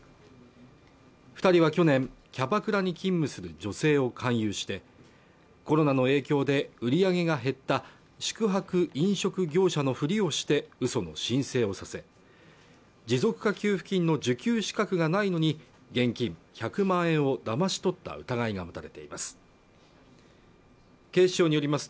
二人は去年キャバクラに勤務する女性を勧誘してコロナの影響で売り上げが減った宿泊・飲食業者のフリをしてうその申請をさせ持続化給付金の受給資格がないのに現金１００万円をだまし取った疑いが持たれています